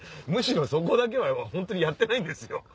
むしろそこだけはやってないんですよ。